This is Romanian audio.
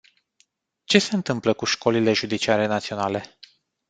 Ce se întâmplă cu școlile judiciare naționale?